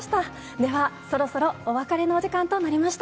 ではそろそろお別れのお時間となりました。